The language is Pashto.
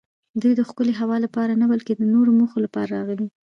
دوی د ښکلې هوا لپاره نه بلکې د نورو موخو لپاره راغلي.